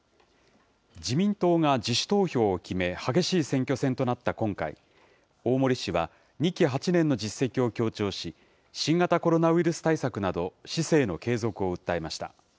自民党が自主投票を決め、激しい選挙戦となった今回、大森氏は、２期８年の実績を強調し、新型コロナウイルス対策など、市政の継続を訴えました。